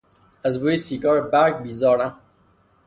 از بوی سیگار برگ بیزارم.